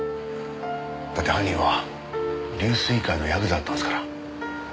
だって犯人は龍翠会のヤクザだったんですから。